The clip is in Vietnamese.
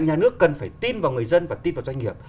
nhà nước cần phải tin vào người dân và tin vào doanh nghiệp